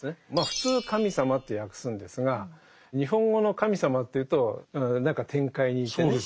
普通「神様」って訳すんですが日本語の「神様」というと何か天界にいてね。